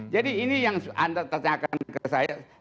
jadi ini yang anda tanyakan ke saya